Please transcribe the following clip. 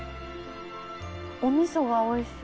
お味噌がおいしい。